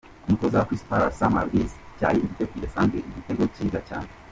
Umutoza wa Crystal Palace, Sam Allardyce: Cyari igitego kidasanzwe, igitego cyiza cyane.